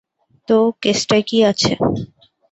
তো, কেসটায় কী আছে?